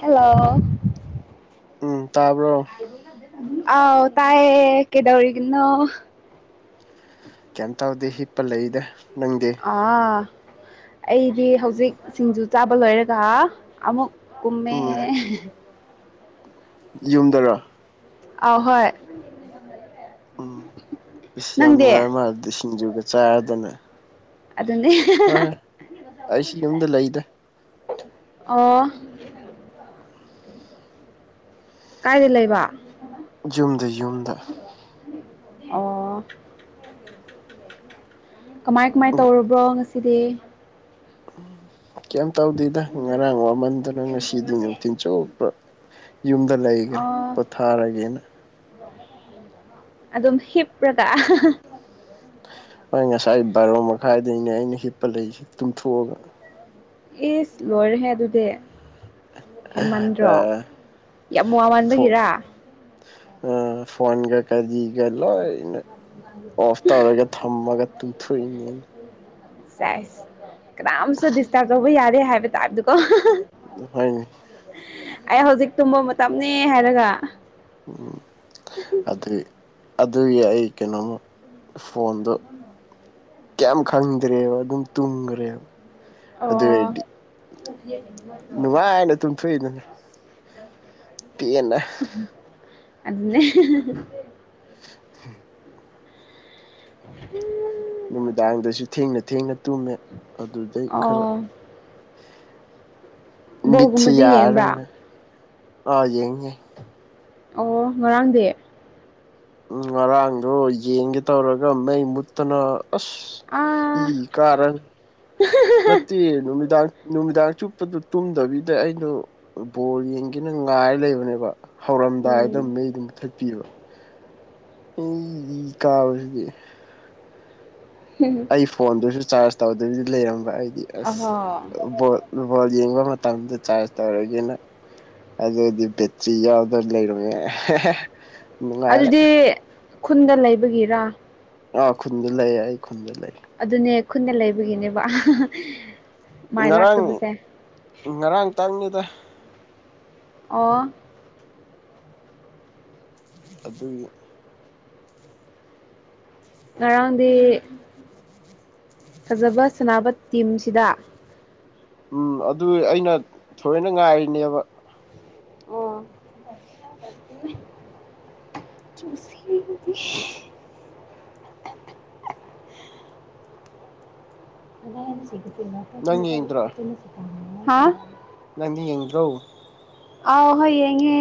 hello ꯎꯝ ꯇꯥꯕ꯭ꯔꯣ ꯑꯧ ꯇꯥꯏꯌꯦ ꯀꯩꯗꯧꯔꯤꯅꯣ ꯀꯩꯝ ꯇꯧꯗꯦ ꯍꯤꯞꯄ ꯂꯩꯗ ꯅꯪꯗꯤ ꯑꯩꯗꯤ ꯍꯧꯖꯤꯛ ꯁꯤꯡꯖꯨ ꯆꯥꯕ ꯂꯣꯏꯔꯒ ꯑꯃꯨꯛ ꯀꯨꯝꯃꯦ ꯎꯝ ꯌꯨꯝꯗꯔꯣ ꯑꯍꯣꯏ ꯎꯝ ꯑꯁ ꯌꯥꯝ ꯅꯨꯡꯉꯥꯏꯔ ꯃꯥꯜꯂꯦꯗ ꯁꯤꯡꯖꯨꯒ ꯆꯥꯔꯗꯅ ꯑꯗꯨꯅꯦ ꯍꯣꯏ ꯑꯩꯁꯨ ꯌꯨꯝꯗ ꯂꯩꯗ ꯑꯣ ꯀꯥꯏꯗ ꯂꯩꯕ ꯌꯨꯝꯗ ꯌꯨꯝꯗ ꯑꯣ ꯀꯃꯥꯏ-ꯀꯃꯥꯏꯅ ꯎꯝ ꯇꯧꯔꯕ꯭ꯔꯣ ꯉꯁꯤꯗꯤ ꯀꯩꯝ ꯇꯧꯗꯦꯗ ꯉꯔꯥꯡ ꯋꯥꯃꯟꯗꯅ ꯉꯁꯤꯗꯤ ꯅꯨꯡꯊꯤꯜ ꯆꯨꯞꯄ ꯌꯨꯝꯗ ꯂꯩꯈ꯭ꯔꯦ ꯑꯣ ꯄꯣꯊꯥꯔꯒꯦꯅ ꯑꯗꯨꯝ ꯍꯤꯞꯄ꯭ꯔꯒ ꯍꯣꯏ ꯉꯁꯥꯏ ꯕꯥꯔꯣ ꯃꯈꯥꯏꯗꯩꯅꯦ ꯑꯩꯅ ꯍꯤꯞꯄ ꯂꯩꯁꯤ ꯇꯨꯝꯊꯣꯛꯑꯒ ꯏꯁ ꯂꯣꯏꯔꯦꯍꯦ ꯑꯗꯨꯗꯤ ꯍꯦꯟꯃꯟꯗ꯭ꯔꯣ ꯑ ꯌꯥꯝ ꯋꯥꯥꯃꯟꯕꯒꯤꯔ ꯎꯝ ꯐꯣꯟꯒ ꯀꯔꯤꯒ ꯂꯣꯏꯅ ꯑꯣꯐ ꯇꯧꯔꯒꯦ ꯊꯝꯃꯒ ꯇꯨꯝꯊꯣꯛꯏꯅꯤ ꯁꯥꯏꯁ ꯀꯅꯥꯝꯁꯨ ꯗꯤꯁꯇꯔꯕ ꯇꯧꯕ ꯌꯥꯗꯦ ꯍꯥꯏꯕ ꯇꯥꯕꯗꯀꯣ ꯍꯣꯏꯅꯦ [unintelligible] ꯑꯩ ꯍꯧꯖꯤꯛ ꯇꯨꯝꯕ ꯃꯇꯝꯅꯤ ꯍꯥꯏꯔꯒ ꯎꯝ ꯑꯗꯨꯏ ꯑꯗꯨꯒꯤ ꯑꯩ ꯀꯩꯅꯣꯝꯃ ꯐꯣꯟꯗꯣ ꯀꯩꯝ ꯈꯪꯗ꯭ꯔꯦꯕ ꯑꯗꯨꯝ ꯇꯨꯝꯈ꯭ꯔꯦꯕ ꯑꯗꯨ ꯑꯣ ꯑꯣꯏꯔꯗꯤ ꯅꯨꯡꯉꯥꯏꯅ ꯇꯨꯝꯊꯣꯛꯏꯗꯅꯦ ꯄꯦꯟꯅꯥ ꯑꯗꯨꯅꯦ ꯎꯝ [unintelligible] ꯍꯝ [unintelligible] ꯅꯨꯃꯤꯗꯥꯡꯗꯁꯨ ꯊꯦꯡꯅ ꯊꯦꯡꯅ ꯇꯨꯝꯃꯦ ꯑꯗꯨꯗꯩ ꯈꯔ ꯑꯣ ꯃꯤꯠꯁꯦ ꯕꯣꯜꯒꯨꯝꯕꯗꯤ ꯌꯦꯡꯕ꯭ꯔꯥ ꯌꯥꯔꯔꯣꯏꯅ ꯑꯥ ꯌꯦꯡꯗꯦ ꯑꯣ ꯉꯔꯥꯡꯗꯤ ꯉꯔꯥꯡꯗꯣ ꯌꯦꯡꯒꯦ ꯇꯧꯔꯒ ꯃꯩ ꯃꯨꯠꯇꯅ ꯑꯁ ꯏ ꯑꯥ ꯀꯥꯔꯦ ꯅꯠꯇꯦ ꯅꯨꯃꯤꯗꯥꯡ ꯅꯨꯃꯤꯗꯥꯡ ꯆꯨꯞꯄꯗꯨ ꯇꯨꯝꯗꯕꯤꯗ ꯑꯩꯗꯣ ꯕꯣꯜ ꯌꯦꯡꯒꯦꯅ ꯉꯥꯏꯔ ꯂꯩꯕꯅꯦꯕ ꯍꯧꯔꯝꯗꯥꯏꯗ ꯎꯝ ꯃꯩꯗꯨ ꯃꯨꯊꯠꯈꯤꯕ ꯑꯩ ꯏ ꯀꯥꯕꯁꯤꯗꯤ ꯍꯝ [unintelligible] ꯑꯩ ꯐꯣꯟꯗꯨꯁꯨ ꯆꯥꯔꯖ ꯇꯧꯗꯕꯗꯤ ꯂꯩꯔꯝꯕ ꯑꯩꯗꯤ ꯑꯍꯣ ꯑꯁ ꯕꯣꯜ ꯌꯦꯡꯕ ꯃꯇꯝꯗ ꯆꯥꯔꯖ ꯇꯧꯔꯒꯦꯅ ꯑꯗꯨꯑꯩ ꯕꯤꯠꯁꯦ ꯌꯥꯎꯗꯣ ꯂꯩꯔꯣꯏꯍꯦ ꯑꯗꯨꯗꯤ ꯈꯨꯟꯗ ꯂꯩꯕꯒꯤꯔ ꯑꯥ ꯈꯨꯟꯗ ꯂꯩ ꯑꯩ ꯈꯨꯟꯗ ꯂꯩ ꯑꯗꯨꯅꯦ ꯈꯨꯟꯗ ꯂꯩꯕꯒꯤꯅꯦꯕ ꯃꯥꯏ ꯂꯥꯛꯇꯕꯁꯦ ꯉꯔꯥꯡ-ꯉꯔꯥꯡ ꯇꯪꯅꯤꯗ ꯑꯣ ꯑꯗꯨ ꯉꯔꯥꯡꯗꯤ ꯐꯖꯕ ꯁꯅꯕ ꯇꯤꯝꯁꯤꯗ ꯎꯝ ꯑꯗꯨ ꯑꯩꯅ ꯊꯣꯏꯅ ꯉꯥꯏꯔꯤꯅꯦꯕ ꯑꯣ ꯆꯨꯁ ꯅꯪ ꯌꯦꯡꯗ꯭ꯔꯣ ꯍꯥ ꯅꯪꯗꯤ ꯌꯦꯡꯗꯔꯣ ꯑ ꯍꯣꯏ ꯌꯦꯡꯉꯦ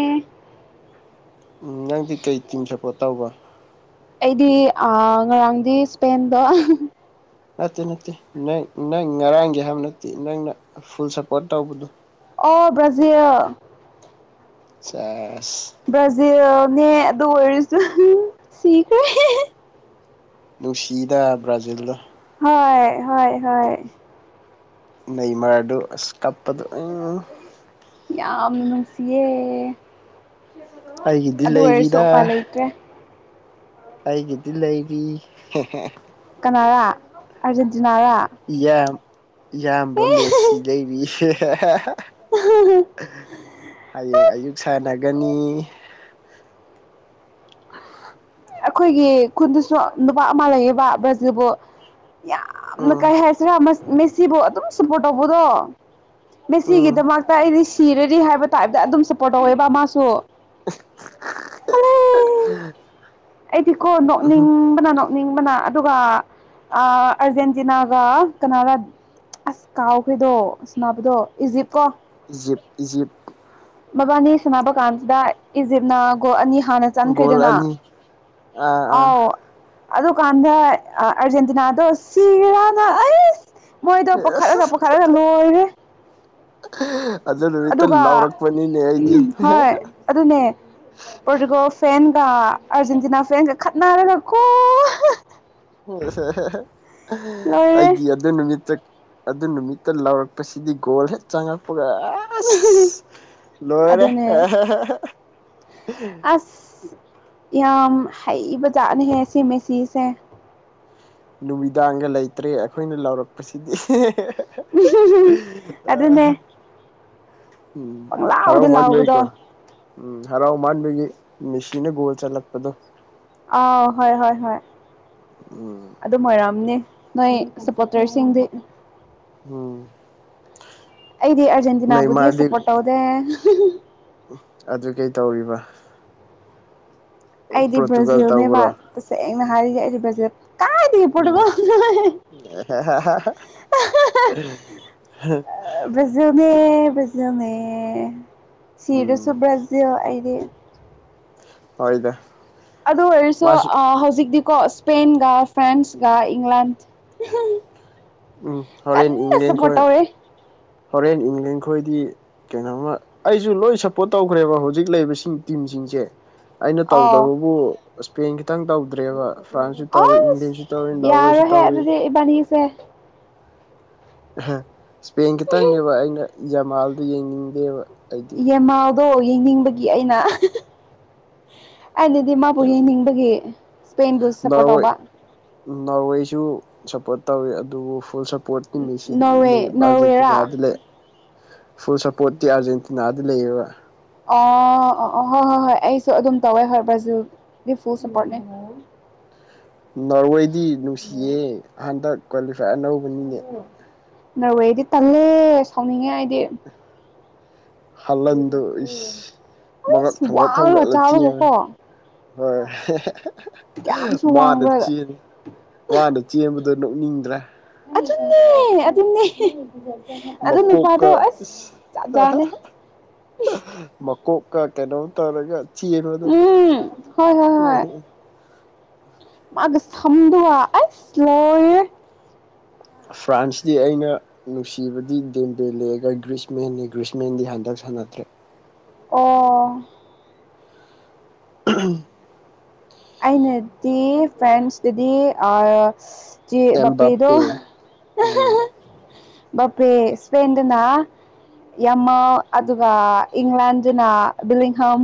ꯎꯝ ꯅꯪꯗꯤ ꯀꯩ ꯇꯤꯝ ꯁꯞꯄꯣꯔꯠ ꯇꯧꯕ ꯑꯩꯗꯤ ꯉꯔꯥꯡꯗꯤ ꯏꯁꯄꯦꯟꯗꯣ ꯅꯠꯇꯦ-ꯅꯠꯇꯦ ꯅꯪ-ꯅꯪ ꯉꯔꯥꯡꯒꯤ ꯍꯥꯏꯕ ꯅꯠꯇꯦ ꯅꯪꯅ ꯐꯨꯜ ꯁꯞꯄꯣꯔꯠ ꯇꯧꯕꯗꯣ ꯑꯣ ꯕ꯭ꯔꯖꯤꯜ ꯆꯦ ꯕ꯭ꯔꯥꯖꯤꯜꯅꯦ ꯑꯗꯨ ꯑꯣꯏꯔꯁꯨ ꯁꯤꯈ꯭ꯔꯦ ꯅꯨꯡꯁꯤꯗ ꯕ꯭ꯔꯥꯖꯤꯜꯗ ꯍꯣꯏ-ꯍꯣꯏ-ꯍꯣꯏ ꯅꯩ ꯃꯔꯥꯗꯨ ꯑꯁ ꯀꯞꯄꯗ ꯎ ꯌꯥꯝꯅ ꯅꯨꯡꯁꯤꯌꯦ ꯑꯩꯒꯤꯗꯤ ꯑꯗꯨ ꯑꯣꯏꯔꯁꯨ ꯎꯄꯥ ꯂꯩꯔꯤꯗ ꯂꯩꯇ꯭ꯔꯦ ꯑꯩꯒꯤꯗꯤ ꯂꯩꯔꯤ ꯀꯅꯥꯔꯥ ꯑꯥꯔꯖꯦꯟꯇꯤꯅꯥꯔꯥ ꯏꯌꯥꯝ ꯏꯌꯥꯝꯕ ꯑꯦ ꯃꯦꯠꯁꯤ ꯂꯩꯔꯤ ꯍꯌꯦꯡ ꯑꯌꯨꯛ ꯁꯥꯟꯅꯒꯅꯤ ꯑꯩꯈꯣꯏꯒꯤ ꯈꯨꯟꯗꯁꯨ ꯅꯨꯄꯥ ꯑꯃ ꯂꯩꯌꯦꯕ ꯕ꯭ꯔꯁꯤꯕꯨ ꯌꯥꯝꯅ ꯎꯝ ꯀꯥꯏ ꯍꯥꯏꯁꯤꯔꯥ ꯃꯦꯁꯤꯕꯨ ꯑꯗꯨꯝ ꯁꯄꯣꯔꯠ ꯇꯧꯕꯗꯣ ꯃꯦ ꯎꯝ ꯁꯤꯒꯤꯗꯃꯛꯇ ꯑꯩꯗꯤ ꯁꯤꯔꯔꯤ ꯍꯥꯏꯕ ꯇꯥꯏꯞꯗ ꯑꯗꯨꯝ ꯁꯞꯄꯣꯔꯠ ꯇꯧꯋꯦꯕ ꯃꯥꯁꯨ [unintelligible] ꯑꯩꯗꯤꯀꯣ ꯅꯣꯛꯅꯤꯡ ꯎꯝ ꯅꯤꯡꯕꯅꯥꯗꯣ ꯅꯤꯡꯕꯅ ꯑꯗꯨꯒ ꯑꯥ ꯑꯥꯔꯖꯦꯟꯇꯤꯅꯥꯒ ꯀꯅꯥꯔ ꯑꯁ ꯀꯥꯎꯈꯦꯗꯣ ꯑꯁꯅꯕꯗꯣ ꯏꯖꯤꯞ ꯀꯣ ꯏꯖꯤꯞ ꯏꯖꯤꯞ ꯃꯕꯥꯅꯤ ꯁꯥꯟꯅꯕ ꯀꯥꯟꯁꯤꯗ ꯏꯖꯤꯞꯅ ꯒꯣ ꯑꯅꯤ ꯍꯥꯟꯅ ꯣꯜ ꯆꯟꯈ꯭ꯔꯦꯗꯅ ꯑꯅꯤ ꯑꯥ ꯑꯥꯎ ꯑꯗꯨꯀꯥꯟꯗ ꯑꯔꯖꯦꯟꯇꯤꯅꯥꯗꯣ ꯁꯤꯔꯅꯁ ꯃꯣꯏꯗꯣ ꯑꯥ ꯄꯨꯈꯠꯂꯒ ꯄꯨꯈꯠꯂꯒ ꯂꯣꯏꯔꯦ ꯑꯗꯨꯅꯔꯤꯇ ꯑꯗꯨꯒ ꯂꯥꯎꯔꯛꯄꯅꯤꯅꯦ ꯑꯩꯗꯤ ꯍꯣꯏ ꯑꯗꯨꯅꯦ ꯄꯣꯔꯇꯨꯒꯜ ꯐꯦꯟꯒ ꯑꯥꯔꯖꯦꯟꯇꯤꯅꯥ ꯐ꯭ꯔꯦꯟꯒ ꯈꯠꯅꯔꯒ ꯀꯣ ꯍꯣꯏ ꯍꯣꯏ ꯂꯣꯏꯔꯦ ꯑꯩꯒꯤ ꯑꯗꯨ ꯅꯨꯃꯤꯠꯇ ꯑꯗꯨ ꯅꯨꯃꯤꯠꯇ ꯂꯧꯥꯎꯔꯛꯄꯁꯤꯗꯤ ꯒꯣꯜ ꯍꯦꯛ ꯆꯪꯉꯛꯄꯒ ꯑꯁ ꯂꯣꯏꯔꯦ ꯑꯗꯨꯅꯦ ꯑꯁ ꯌꯥꯝ ꯍꯩꯕꯖꯥꯠꯅꯍꯦ ꯁꯤ ꯃꯦ ꯁꯤꯁꯦ ꯅꯨꯃꯤꯗꯥꯡꯒ ꯂꯩꯇ꯭ꯔꯦ ꯑꯩꯈꯣꯏꯅ ꯂꯥꯎꯔꯛꯄꯁꯤꯗꯤ ꯎ ꯑꯗꯨꯗꯅꯦ ꯎꯝ ꯍꯔꯥꯎ ꯃꯥꯥꯟꯕꯩ ꯂꯥꯎꯕꯗꯣ ꯀꯣ ꯎꯝ ꯍꯔꯥꯎ ꯃꯥꯟꯕꯒꯤ ꯃꯦꯁꯤꯅ ꯒꯣꯜ ꯆꯠꯂꯛꯄꯗꯣ ꯑ ꯍꯣꯏ ꯍꯣꯏ ꯍꯣꯏ ꯎ ꯑꯗꯨꯝ ꯑꯣꯏꯔꯝꯅꯤ ꯅꯣꯏ ꯁꯞꯄꯣꯔꯇꯔꯁꯤꯡꯗꯤ ꯎꯝ ꯑꯩꯗꯤ ꯑꯥꯔꯖꯦꯟꯇꯤꯅꯥꯕꯨꯗꯤ ꯁꯞꯄꯣꯔ ꯇꯧꯗꯦ ꯎ ꯑꯗꯨ ꯀꯩ ꯇꯧꯔꯤꯕ ꯑꯩꯗꯤ ꯄꯣꯔꯇꯨꯒꯜ ꯕ꯭ꯔꯥꯖꯤꯜꯅꯦꯕ ꯇꯧꯕ꯭ꯔꯣ ꯇꯁꯦꯡꯅ ꯍꯥꯏꯔꯤꯒꯦ ꯑꯩꯗꯤ ꯕ꯭ꯔꯥꯖꯤꯜ ꯀ ꯏ ꯄꯨꯀꯣ ꯎꯝ [unintelligible] ꯕ꯭ꯔꯖꯤꯜꯅꯦ ꯕ꯭ꯔꯖꯤꯅꯦ ꯁꯤꯔꯁꯨ ꯎꯝ ꯕ꯭ꯔꯖꯤꯜ ꯑꯩꯗꯤ ꯍꯣꯏꯗ ꯑꯗꯨ ꯑꯣꯏꯔꯁꯨ ꯃꯥꯁꯨ ꯍꯧꯖꯤꯛꯇꯤꯀꯣ ꯏꯁꯄꯦꯟꯒ ꯐ꯭ꯔꯥꯟꯁꯀ ꯏꯪꯂꯦꯟ ꯎꯝ ꯍꯣꯔꯦꯟ ꯀꯟꯅ ꯏꯪꯂꯦꯟ ꯁꯞꯄꯣꯔꯠ ꯈꯣꯏ ꯊꯧꯔꯤ ꯍꯣꯔꯦꯟ ꯏꯪꯂꯦꯟꯈꯣꯏꯗꯤ ꯀꯩꯅꯣꯝꯃ ꯑꯩꯁꯨ ꯂꯣꯏ ꯁꯞꯄꯣꯔꯠ ꯇꯧꯈ꯭ꯔꯦꯕ ꯍꯧꯖꯤꯛ ꯂꯩꯔꯤꯕꯁꯤꯡ ꯇꯤꯝꯁꯤꯡꯁꯦ ꯑꯩꯅ ꯑꯥꯎ ꯇꯧꯗꯕꯕꯨ ꯏꯁꯄꯦꯟ ꯈꯛꯇꯪ ꯇꯧ ꯑꯁ ꯅꯣꯔꯋꯦꯁꯨ ꯌꯔꯣꯢꯍꯦ ꯇꯧꯋꯤ ꯑꯗꯨꯗꯤ ꯏꯕꯥꯅꯤꯁꯦ ꯏꯁꯄꯦꯟ ꯈꯤꯇꯪꯅꯦꯕ ꯑꯩꯅ ꯌꯃꯥꯜꯗꯨ ꯌꯦꯡꯅꯤꯡꯗꯦꯕ ꯑꯩꯗꯤ ꯌꯃꯥꯜꯗꯣ ꯌꯦꯡꯅꯤꯡꯕꯒꯤ ꯑꯩꯅ ꯑꯩꯅꯗꯤ ꯃꯥꯕꯨ ꯌꯥꯝ ꯌꯦꯡꯅꯤꯡꯕꯒꯤ ꯁꯄꯦꯟꯕꯨ ꯁꯞꯄꯣꯔꯠ ꯇꯧꯕ ꯅꯣꯋꯦꯁꯨ ꯁꯞꯄꯣꯔꯠ ꯇꯧꯋꯤ ꯑꯗꯨꯕꯨ ꯐꯨꯜ ꯄꯔꯇ ꯃꯁꯤ ꯅꯣꯔꯋꯦ ꯑꯔꯖꯦꯟꯇꯤ [unintelligible] ꯅꯥ ꯅꯣꯔꯋꯦꯔꯥ ꯑꯗꯨꯂ ꯐꯨꯜ ꯁꯞꯄꯣꯔꯠꯇꯤ ꯑꯔꯖꯦꯟꯇꯤꯅꯥꯗ ꯂꯩꯌꯦꯕ ꯑ ꯍꯣꯏ ꯍꯣꯏ ꯍꯣꯏ ꯑꯩꯁꯨ ꯑꯗꯨꯝ ꯇꯧꯋꯦ ꯍꯣꯏ ꯕꯔꯖꯤꯜ ꯗꯤ ꯐꯨꯜ ꯁꯞꯄꯣꯔꯠꯅꯦ ꯅꯣꯔꯋꯦꯗꯤ ꯅꯨꯡꯁꯤꯌꯦ ꯍꯟꯗꯛ ꯀ꯭ꯋꯥꯂꯤꯐꯥꯏ ꯑꯅꯧꯕꯅꯤꯅꯦ ꯅꯣꯔꯋꯦꯗꯤ ꯇꯜꯂꯦ ꯁꯥꯎꯅꯤꯡꯉꯦ ꯍꯥꯏꯗꯤ ꯍꯜꯍꯟꯗꯣ ꯏꯁ ꯃꯉꯛ ꯑꯩꯁ ꯊꯥꯡꯒꯠ ꯋꯥꯡꯔꯒ ꯊꯥꯡꯒꯠꯂ ꯆꯦꯟꯉ ꯆꯥꯎꯔꯒꯀꯣ ꯍꯣꯏ ꯀꯌꯥꯝꯁꯨ ꯃꯅ ꯋꯥꯡꯕ꯭ꯔꯥ ꯆꯦꯟ ꯃꯥꯅ ꯆꯦꯟꯕꯗꯣ ꯅꯣꯛꯅꯤꯡꯗ꯭ꯔꯥ ꯑꯗꯨꯟꯅꯦ ꯑꯗꯨꯟꯅꯦ ꯑꯗꯨ ꯅꯨꯄꯥꯗꯣ ꯃꯀꯣꯛꯀ ꯑꯁ ꯏꯁ ꯆꯞꯖꯥꯅꯦ ꯀꯣꯛꯀ ꯀꯩꯅꯣꯝ ꯇꯧꯔꯒ ꯆꯦꯕꯗꯣ ꯎꯝ ꯍꯣꯏ ꯎꯝ ꯃꯥꯒ ꯁꯝꯗ ꯑ ꯏꯁꯂꯣꯏꯔꯦ ꯐ꯭ꯔꯥꯟꯁꯇꯤ ꯑꯩꯅ ꯅꯨꯡꯁꯤꯕꯗꯤ ꯗꯦꯝꯕꯦꯜꯂꯦꯛꯑꯒ ꯒ꯭ꯔꯤꯁꯃꯦꯟꯅꯤ ꯒ꯭ꯔꯤꯁꯃꯦꯟꯗꯤ ꯍꯟꯗꯛ ꯁꯥꯟꯅꯗ꯭ꯔꯦ ꯑꯣ [unintelligible] ꯑꯩꯅꯗꯤ ꯐ꯭ꯔꯦꯟꯁꯇꯗꯤ ꯆꯦ ꯕꯥꯄꯦꯗꯣ ꯑꯦꯝꯕꯥꯄꯦ ꯎꯝ ꯑꯍꯥꯍꯥ ꯕꯥꯄꯦ ꯁꯄꯦꯟꯗꯨꯅ [unintelligible] ꯌꯥꯃꯥꯜ ꯑꯗꯨꯒ ꯏꯪꯂꯦꯟꯗꯅ ꯕꯤꯂꯤꯡꯍꯝ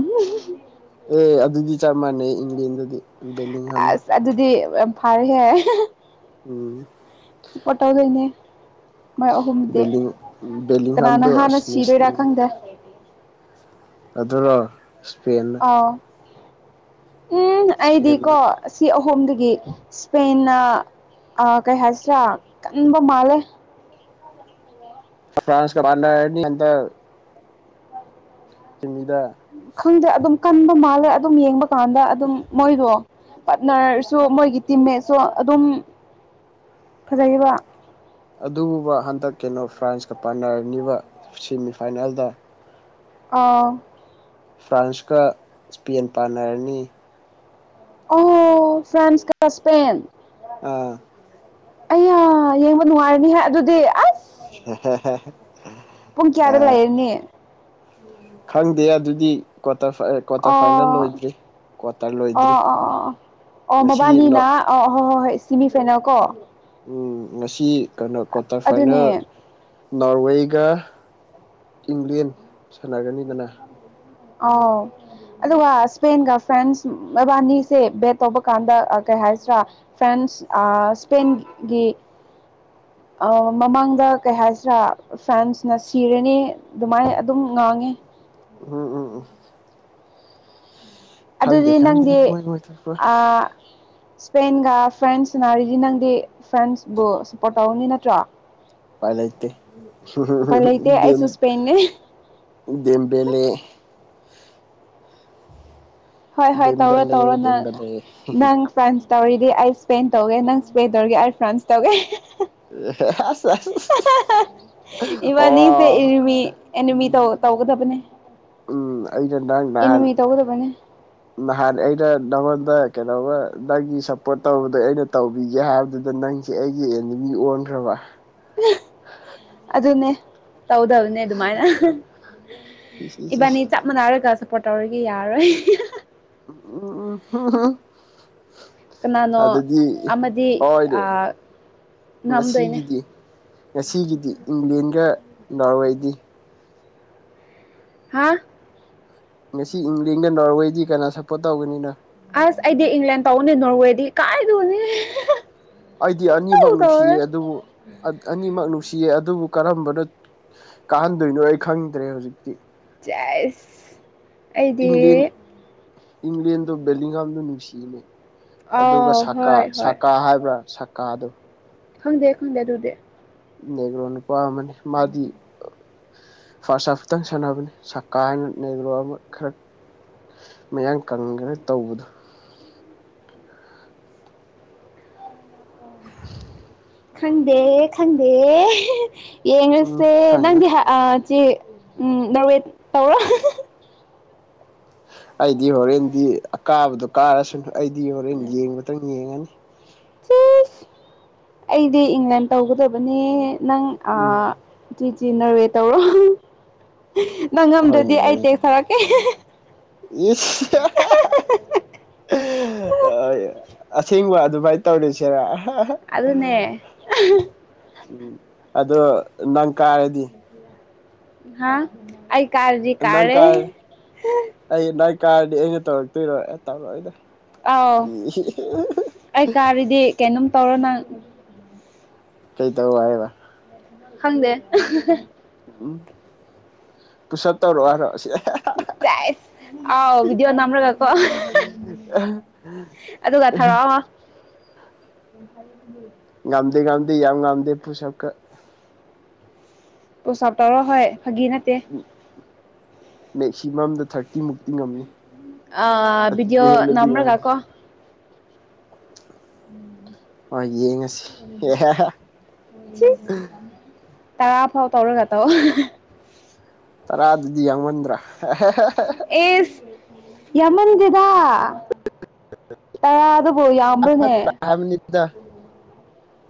ꯑꯦ ꯑꯗꯨꯗꯤ ꯆꯞ ꯃꯥꯟꯅꯩ ꯏꯪꯂꯦꯟꯒꯗꯤ ꯑꯁ ꯑꯗꯨꯗꯤ ꯌꯥꯝ ꯐꯔꯦꯍꯦ ꯎꯝ ꯄꯣꯥꯎꯗꯅꯦ ꯃꯣꯏ ꯑꯍꯨꯝꯗꯤ ꯕꯦꯂꯤꯡ ꯀꯅꯥꯅ ꯕꯦꯂꯤꯡꯍꯝꯗꯣ ꯍꯥꯟꯅ ꯑꯁ ꯅꯨꯡꯁꯤ ꯁꯤꯗꯣꯏꯔꯥ ꯈꯪꯗꯦ ꯑꯗꯨꯅꯣ ꯏꯁꯄꯦꯟ ꯑꯣ ꯎꯝ ꯑꯩꯗꯤꯀꯣ ꯏꯁꯄꯦꯟꯅ ꯑꯁꯤ ꯑꯍꯨꯝꯗꯒꯤ ꯢꯁꯄꯦꯟꯅ ꯀꯩ ꯍꯥꯏꯁꯤꯔꯥ ꯀꯟꯕ ꯃꯥꯜꯂꯦ ꯐ꯭ꯔꯥꯟꯁ ꯀ ꯃꯥꯟꯂ ꯑꯗ [unintelligible] ꯆꯨꯝꯃꯤꯗꯥ ꯈꯪꯗꯦ ꯑꯗꯨꯝ ꯀꯟꯕ ꯃꯥꯜꯂꯦ ꯑꯗꯨꯝ ꯌꯦꯡꯕ ꯀꯥꯟꯗ ꯑꯗꯨꯝ ꯃꯣꯏꯗꯣ ꯄꯥꯔꯠꯅꯔꯁꯨ ꯃꯣꯏꯒꯤ ꯇꯤꯝꯃꯦꯠꯁꯨ ꯑꯗꯨꯝ ꯐꯖꯩꯌꯦꯕ ꯑꯗꯨꯕꯨꯕ ꯍꯟꯗꯛ ꯀꯩꯅꯣ ꯐ꯭ꯔꯥꯟꯁꯀ ꯄꯥꯟꯅꯔꯅꯤꯕ ꯁꯤꯃꯤꯐꯥꯏꯅꯦꯜꯗ ꯑꯥ ꯐ꯭ꯔꯥꯟꯁꯀ ꯏꯁꯄꯦꯟ ꯄꯥꯟꯅꯔꯅꯤ ꯑꯥ ꯐ꯭ꯔꯥꯟꯁ ꯀ ꯁꯄꯦꯟ ꯑꯥ ꯑꯌꯥ ꯌꯦꯡꯕ ꯅꯨꯡꯉꯥꯏꯔꯅꯤ ꯍꯦ ꯑꯗꯨꯗꯤ ꯑ ꯍꯦ ꯍꯦ ꯍꯦ ꯍꯦ ꯄꯨꯡ ꯀꯌꯥꯗ ꯂꯩꯔꯅꯤ ꯈꯪꯗꯦ ꯑꯗꯨꯗꯤ ꯀ꯭ꯋꯥꯇꯔ ꯐꯥꯏꯔꯦꯠ ꯀ꯭ꯋꯥꯇꯔ ꯐꯥꯏꯅꯦꯜ ꯑꯣ ꯂꯣꯏꯗ꯭ꯔꯤ ꯀ꯭ꯋꯥꯇꯔ ꯂꯣꯏꯗ꯭ꯔꯤ ꯑꯣ ꯑꯣ ꯑꯣ ꯑꯣ ꯉꯁꯤꯅꯣ ꯃꯕꯥꯅꯤꯅ ꯑꯣ ꯍꯣ ꯍꯣ ꯍꯣꯏ ꯁꯤꯃꯤ ꯐꯥꯢꯅꯦꯜ ꯀꯣ ꯎꯝ ꯉꯁꯤ ꯀꯥꯅꯣ ꯀ꯭ꯋꯥꯇꯔ ꯐꯥꯏꯅꯦꯜ ꯑꯗꯨꯅꯦ ꯅꯣꯔꯋꯦꯒ ꯏꯪꯂꯦꯟ ꯁꯥꯟꯅꯒꯅꯤꯗꯅ ꯑꯥꯎ ꯑꯗꯨꯒ ꯏꯁꯄꯦꯟꯒ ꯐ꯭ꯔꯦꯟꯁ ꯃꯕꯥꯅꯤꯁꯦ ꯕꯦꯠ ꯇꯧꯕ ꯀꯥꯟꯗ ꯑ ꯀꯩ ꯍꯥꯏꯁꯤꯔꯥ ꯐ꯭ꯔꯥꯟꯁ ꯑꯥ ꯏꯁꯄꯦꯟ ꯒꯤ ꯑ ꯃꯃꯥꯡꯗ ꯀꯩ ꯍꯥꯏꯁꯤꯔꯥ ꯐ꯭ꯔꯦꯟꯁꯅ ꯁꯤꯔꯅꯤ ꯑꯗꯨꯃꯥꯏ ꯑꯗꯨꯝ ꯉꯥꯡꯉꯤ ꯎꯝ ꯎꯝ ꯎꯝ ꯈꯪꯗꯦ ꯑꯗꯨꯗꯤ ꯈꯪꯗꯦ ꯅꯪꯗꯤ ꯃꯣꯏ ꯃꯣꯏ ꯊꯣꯛꯄ ꯑꯥ ꯏꯁꯄꯦꯟꯒ ꯐ꯭ꯔꯦꯟꯁ ꯁꯅꯔꯤꯗꯤ ꯅꯪꯗꯤ ꯐ꯭ꯔꯦꯟꯁꯕꯨ ꯁꯞꯄꯣꯔꯠ ꯇꯧꯔꯅꯤ ꯅꯠꯇ꯭ꯔꯥ ꯎꯄꯥꯏ ꯂꯩꯇꯦ ꯎꯄꯥꯏ ꯂꯩꯇꯦ ꯑꯩꯁꯨ ꯁꯄꯦꯟꯅꯦ ꯢꯟꯗꯦꯝꯕꯦꯂꯦ ꯍꯣꯏ ꯍꯣꯏ ꯇꯧꯔꯣ ꯗꯦꯝꯕꯦꯂꯦ ꯇꯧꯔꯣ ꯅꯪ ꯗꯦꯝꯕꯦꯂꯦ ꯅꯪ ꯐ꯭ꯔꯥꯟꯁ ꯇꯧꯔꯤꯗꯤ ꯑꯩ ꯏꯁꯄꯦꯟ ꯇꯧꯒꯦ ꯅꯪ ꯏꯁꯄꯦꯟ ꯇꯧꯔꯤꯒꯦ ꯑꯩ ꯐ꯭ꯔꯥꯟꯁ ꯇꯧꯒꯦ [unintelligible] [inaudible] ꯏꯕꯥꯅꯤꯁꯦ ꯑꯣ ꯏꯅꯤꯃꯤ ꯑꯦꯅꯤꯃꯤ ꯎꯝ [unintelligible] ꯇꯧꯒꯗꯕꯅꯦ ꯎꯝ ꯑꯩꯅ ꯉꯥꯡ ꯅꯍꯥꯜ ꯑꯦꯅꯤꯃꯤ ꯇꯧꯒꯗꯕꯅꯦ ꯅꯍꯥꯟ ꯑꯩꯅ ꯅꯪꯉꯣꯟꯗ ꯀꯩꯅꯣꯃ ꯅꯪꯒꯤ ꯁꯞꯄꯣꯔꯠ ꯇꯧꯕꯗꯣ ꯑꯩꯅ ꯇꯧꯕꯤꯒꯦ ꯍꯥꯏꯕꯗꯨꯗ ꯅꯪ ꯁꯤ ꯑꯩꯒꯤ ꯑꯦꯃꯨꯅꯤꯟ ꯑꯣꯟꯈ꯭ꯔꯕ ꯑꯗꯨꯅꯦ ꯇꯧꯗꯕꯅꯤ ꯑꯗꯨꯃꯥꯏꯅ ꯏꯁ ꯏꯁ ꯏꯕꯥꯅꯤ ꯏꯁ ꯆꯞ ꯃꯥꯟꯅꯔꯒ ꯁꯞꯄꯣꯔꯠ ꯇꯧꯔꯒꯦ ꯌꯥꯔꯣꯏ ꯑꯣ ꯍ ꯍ [unintelligible] [inaudible] ꯀꯅꯥꯅꯣ ꯑꯗꯨꯗꯤ ꯑꯃꯗꯤ ꯑꯣꯏꯔꯦ ꯑ ꯉꯝꯗꯣꯏꯅꯦ ꯉꯁꯤꯒꯤꯗꯤ ꯉꯁꯤꯒꯤꯗꯤ ꯏꯪꯂꯦꯟꯒ ꯅꯥꯔꯋꯦꯗꯤ ꯍꯥ ꯉꯁꯤ ꯏꯪꯂꯦꯟꯒ ꯅꯣꯔꯋꯦꯗꯤ ꯀꯅꯥ ꯁꯞꯄꯣꯔꯠ ꯇꯧꯒꯅꯤꯅꯣ ꯑꯁ ꯑꯩꯗꯤ ꯏꯪꯂꯦꯟ ꯇꯧꯅꯦ ꯅꯣꯔꯋꯦꯗꯤ ꯀꯥꯏꯅꯣꯅꯦ ꯑꯩꯗꯤ ꯑꯅꯤꯃꯛ ꯅꯨꯡꯁꯤꯌꯦ ꯑꯗꯨꯕꯨ ꯑ ꯑꯅꯤꯃꯛ ꯅꯨꯡꯁꯤꯌꯦ ꯑꯗꯨꯕꯨ ꯀꯔꯝꯕꯅ ꯀꯥꯍꯟꯗꯣꯏꯅꯣ ꯑꯩ ꯈꯪꯗ꯭ꯔꯦ ꯍꯧꯖꯤꯛꯇꯤ ꯆꯦꯁ ꯑꯩꯗꯤ ꯏꯪꯂꯦꯟ ꯏꯪꯂꯦꯟꯗꯣ ꯕꯦꯂꯤꯡꯉꯝꯗ ꯅꯨꯡꯁꯤꯅꯦ ꯑꯥꯎ ꯑꯗꯨꯒ ꯁꯀꯥ ꯍꯣꯏ ꯍꯣꯏ ꯁꯀꯥ ꯍꯥꯏꯕ꯭ꯔꯥ ꯁꯀꯥꯗꯨꯣ ꯈꯪꯗꯦ ꯈꯪꯗꯦ ꯑꯗꯨꯗꯤ ꯅꯦꯒ꯭ꯔꯣ ꯅꯨꯄꯥ ꯑꯃꯅꯤ ꯃꯥꯗꯤ ꯐꯥꯔꯁꯍꯥꯞꯇꯪ ꯁꯥꯟꯅꯕꯅꯤ ꯁꯀꯥ ꯍꯥꯏꯅ ꯅꯦꯒꯔꯣ ꯑꯃ ꯈꯔ ꯃꯌꯥꯡ ꯀꯪꯒ꯭ꯔꯦꯅ ꯇꯧꯕꯗꯣ ꯈꯪꯗꯦ ꯈꯪꯗꯦ ꯎꯝ ꯌꯦꯡꯔꯁꯦ ꯈꯪꯉꯦ ꯅꯪꯗꯤ ꯍꯥ ꯑꯥ ꯆꯦ ꯅꯧꯔꯦꯠ ꯇꯧꯔꯣ ꯑꯩꯗꯤ ꯍꯣꯔꯦꯟꯗꯤ ꯑꯀꯥꯕꯗꯣ ꯀꯥꯔꯁꯨꯅꯨ ꯑꯩꯗꯤ ꯍꯣꯔꯦꯟ ꯌꯦꯡꯕꯗꯪ ꯌꯦꯡꯉꯅꯤ ꯆꯤꯁ ꯑꯩꯗꯤ ꯏꯪꯂꯦꯟ ꯇꯧꯒꯗꯕꯅꯦ ꯅꯪ ꯑꯥ ꯎꯝ ꯖꯤ ꯖꯤ ꯅ꯭ꯔꯋꯦ ꯇꯧꯔꯣ ꯅꯪ ꯉꯝꯗ꯭ꯔꯗꯤ ꯑꯩ ꯇꯦꯛꯁ ꯊꯥꯔꯛꯀꯦ ꯏꯠꯁ ꯑꯥꯌꯥ ꯑꯁꯦꯡꯕ ꯑꯗꯨꯃꯥꯏ ꯇꯧꯔꯁꯤꯔꯥ ꯑꯗꯨꯅꯦ ꯎꯝ ꯑꯗꯣ ꯅꯪ ꯀꯥꯔꯗꯤ ꯍꯥꯥ ꯑꯩ ꯀꯥꯔꯗꯤ ꯅꯪ ꯀꯥꯔꯦ ꯀꯥꯔ ꯑꯩ ꯅꯪ ꯀꯥꯔꯗꯤ ꯑꯩꯅ ꯇꯧꯔꯛꯇꯣꯏꯔꯣ ꯇꯧꯔꯛꯑꯣꯏꯗ ꯑꯥꯎ ꯑꯩ ꯀꯥꯔꯤꯗꯤ ꯀꯩꯅꯣꯝ ꯇꯧꯔꯣ ꯅꯪ ꯀꯩ ꯇꯧ ꯍꯥꯏꯕ ꯈꯪꯗꯦ ꯎꯝ ꯄꯨꯁꯞ ꯇꯧꯔꯛꯑꯣ ꯍꯥꯏꯔꯣ ꯁꯤ ꯆꯥꯏꯁ ꯑꯥꯎ ꯕꯤꯗꯤꯑꯣ ꯅꯝꯔꯒꯀꯣ ꯑꯗꯨꯒ ꯊꯔꯛꯑꯣ ꯍꯥ [unintelligible] ꯉꯝꯗꯦ ꯉꯝꯗꯦ ꯌꯥꯝ ꯉꯝꯗꯦ ꯄꯨꯁꯞꯀ ꯄꯨꯁꯞ ꯇꯧꯔꯣ ꯍꯣꯏ ꯐꯒꯤ ꯅꯠꯇꯦ ꯃꯦꯛꯁꯤ ꯃꯝꯗ ꯊꯥꯔꯇꯤ ꯃꯨꯛꯇꯤ ꯉꯝꯅꯤ ꯑꯥ ꯑꯗꯨꯗꯤ ꯕꯤꯗꯤꯑꯣ ꯍꯦꯟꯅꯗꯤ ꯅꯝꯔꯒ ꯉꯝꯗꯦ ꯀꯣ ꯍꯣꯏ ꯌꯦꯡꯉꯁꯤ ꯇꯔꯥꯐꯥꯎ ꯇꯧꯔꯒ ꯇꯧ ꯇꯔꯥꯗꯨꯗꯤ ꯌꯥꯡꯃꯟꯗ꯭ꯔꯥ ꯏꯁ ꯌꯥꯝꯃꯟꯗꯦꯗꯥ ꯇꯔꯥꯗꯨ ꯇ ꯍꯥꯏꯕꯅꯤꯗ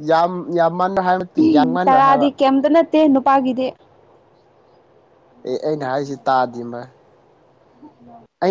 ꯌꯥꯝ ꯌꯥꯝ ꯃꯟꯅ ꯍꯥꯏꯕ ꯅꯠꯇꯦ ꯎꯝ ꯌꯥꯡꯃꯟꯕ꯭ꯔꯥ ꯇꯔꯥꯗꯤ ꯍꯥꯏꯕ ꯀꯩꯝꯇ ꯅꯠꯇꯦ ꯅꯨꯄꯥꯒꯤꯗꯤ ꯑꯦ ꯑꯩꯅ ꯍꯥꯏꯖꯤ ꯇꯥꯗꯤ ꯃꯥ